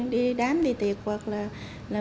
đi đám đi tiệc hoặc là